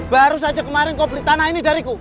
baru saja kemarin kau beli tanah ini dariku